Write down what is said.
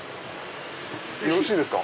よろしいですか？